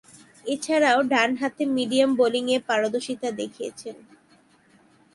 এছাড়াও ডানহাতে মিডিয়াম বোলিংয়ে পারদর্শীতা দেখিয়েছেন।